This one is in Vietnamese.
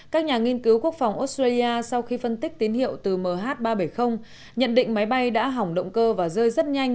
các nhà nghiên cứu quốc phòng australia sau khi phân tích tín hiệu từ mh ba trăm bảy mươi nhận định máy bay đã hỏng động cơ và rơi rất nhanh